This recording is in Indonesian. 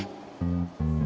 tidak ada yang bisa dikira